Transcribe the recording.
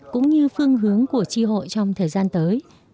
cũng như phương hướng của tri hội trong thời gian tới